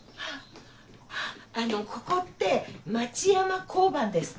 あのここって町山交番ですか？